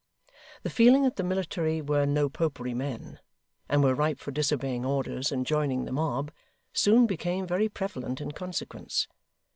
The feeling that the military were No Popery men, and were ripe for disobeying orders and joining the mob, soon became very prevalent in consequence.